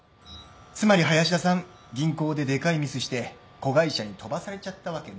つまり林田さん銀行ででかいミスして子会社に飛ばされちゃったわけね。